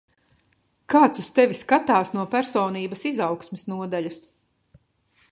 Kāds uz tevi skatās no personības izaugsmes nodaļas.